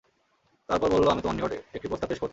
তারপর বলল, আমি তোমার নিকট একটি প্রস্তাব পেশ করছি।